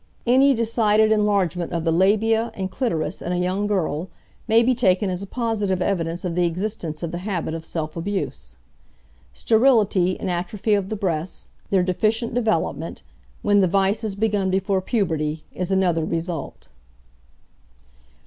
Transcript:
Any decided enlargement of the labia and clitoris in a young girl may be taken as a positive evidence of the existence of the habit of self abuse. Sterility, and atrophy of the breasts their deficient development when the vice is begun before puberty, is another result.